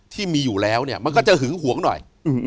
ที่มีอยู่แล้วเนี่ยมันก็จะหึงหวงหน่อย